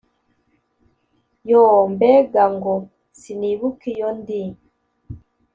Yoo!!mbega ngo sinibuka iyo ndi,